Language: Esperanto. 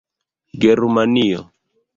Germanio